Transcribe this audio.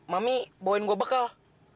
mami bawain gua bekal